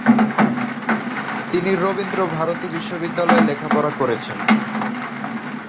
তিনি রবীন্দ্র ভারতী বিশ্ববিদ্যালয়ে লেখাপড়াকরেছেন।